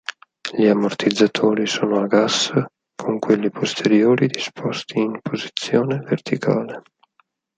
Gli ammortizzatori sono a gas con quelli posteriori disposti in posizione verticale.